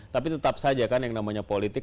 tapi tetap saja kan yang namanya politik